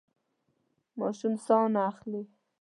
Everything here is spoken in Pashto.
ماشوم ساه نه اخلي.